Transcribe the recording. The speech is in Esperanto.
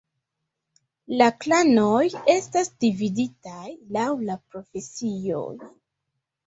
La klanoj estas dividitaj laŭ la profesioj.